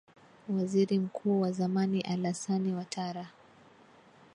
waziri mkuu wa zamani alasane watara